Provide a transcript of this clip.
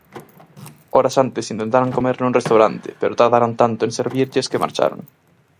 Horas antes intentaran comer nun restaurante pero tardaron tanto en servirlles que marcharon.